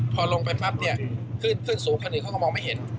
พอลงไปปั๊บเนี่ยขึ้นขึ้นสูงคันอื่นเขาก็มองไม่เห็น